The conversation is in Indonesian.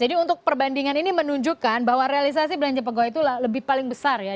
jadi untuk perbandingan ini menunjukkan bahwa realisasi belanja pegawai itu lebih paling besar ya